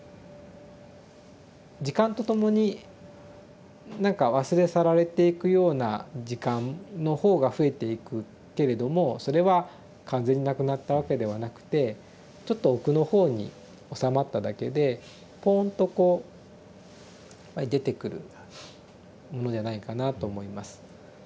時間とともに何か忘れ去られていくような時間の方が増えていくけれどもそれは完全になくなったわけではなくてちょっと奥の方におさまっただけでぽんとこう出てくるものじゃないかなと思います。